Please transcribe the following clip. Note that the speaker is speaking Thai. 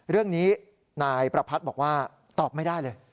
เรื่องนี้นายประพัทธ์บอกว่าตอบไม่ได้เลย